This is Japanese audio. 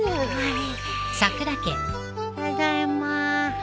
ただいまー。